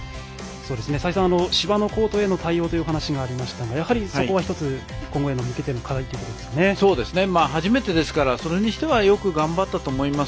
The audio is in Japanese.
再三、芝のコートへの対応という話がありましたがやはり、そこは１つ今後に向けての初めてですからそれにしてはよく頑張ったと思います。